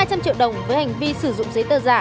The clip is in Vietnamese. hai trăm linh triệu đồng với hành vi sử dụng giấy tờ giả